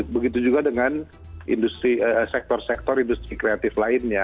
begitu juga dengan sektor sektor industri kreatif lainnya